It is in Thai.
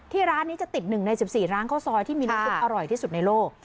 ที่ร้านนี้จะติดหนึ่งในสิบสี่ร้านข้าวซอยที่มีรสชาติอร่อยที่สุดในโลก